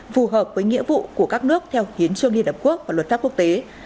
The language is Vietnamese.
phù hợp với nghĩa vụ của các nước theo hiến trương liên hợp quốc và luật pháp quốc tế